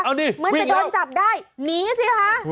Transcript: เหมือนจะโดนจับได้หนีสิคะ